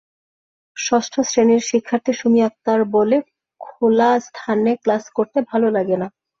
ষষ্ঠ শ্রেণির শিক্ষার্থী সুমি আক্তার বলে, খোলা স্থানে ক্লাস করতে ভালো লাগে না।